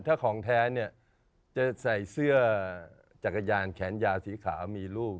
ถ้าของแท้เนี่ยจะใส่เสื้อจักรยานแขนยาวสีขาวมีลูก